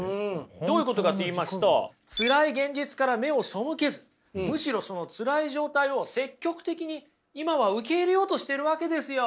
どういうことかといいますと辛い現実から目を背けずむしろその辛い状態を積極的に今は受け入れようとしてるわけですよ。